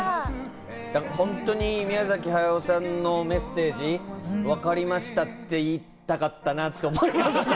本当に宮崎駿さんのメッセージ、分かりました！って言いたかったなって思います。